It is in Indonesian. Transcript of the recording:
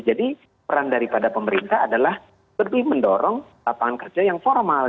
jadi peran daripada pemerintah adalah lebih mendorong lapangan kerja yang formal